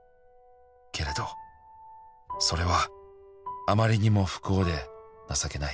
「けれどそれはあまりにも不幸で情けない」